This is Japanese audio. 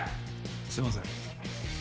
すみません。